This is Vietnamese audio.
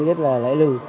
rất là lãi lưu